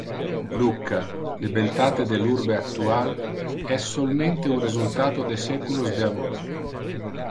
Lucca, le beltate del urbe actual es solmente un resultato de seculos de amor.